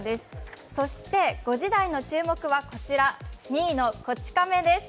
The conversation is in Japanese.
５時台の注目はこちら、２位の「こち亀」です。